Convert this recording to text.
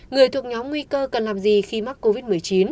người thuộc nhóm nguy cơ cần làm gì khi mắc covid một mươi chín